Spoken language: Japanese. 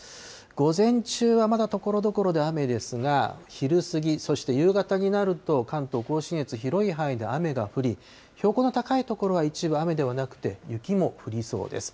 午前中はまだところどころで雨ですが、昼過ぎ、そして夕方になると、関東甲信越、広い範囲で雨が降り、標高の高い所は一部、雨ではなくて、雪も降りそうです。